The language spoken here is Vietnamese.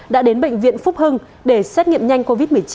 đã đến bệnh viện phúc hưng để xét nghiệm nhanh covid một mươi chín